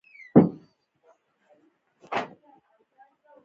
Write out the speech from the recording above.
د روښانتیا داسې کوم منجمد تعریف نشته.